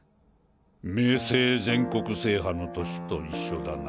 明青全国制覇の年と一緒だな。